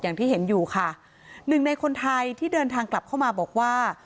อย่างที่เห็นอยู่ค่ะหนึ่งในคนไทยที่เดินทางกลับเข้ามาบอกว่า